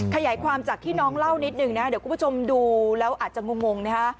ขยายความจากที่น้องเล่านิดหนึ่งนะเดี๋ยวคุณผู้ชมดูแล้วอาจจะงงนะฮะ